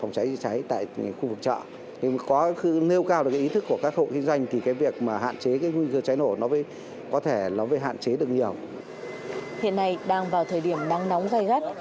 hiện nay đang vào thời điểm nắng nóng gai gắt